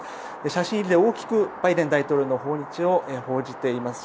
写真入りで大きくバイデン大統領の訪日を報じています。